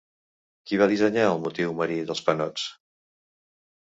Qui va dissenyar el motiu marí dels panots?